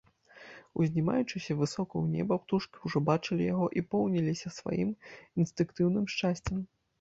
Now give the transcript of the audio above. Узнімаючыся высока ў неба, птушкі ўжо бачылі яго і поўніліся сваім інстынктыўным шчасцем.